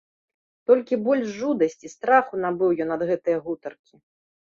Толькі больш жудасці, страху набыў ён ад гэтае гутаркі.